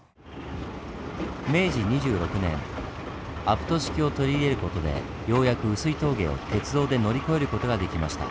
明治２６年アプト式を取り入れる事でようやく碓氷峠を鉄道で乗り越える事ができました。